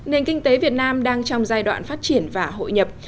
nền kinh tế việt nam đang trong giai đoạn phát triển và hội nhập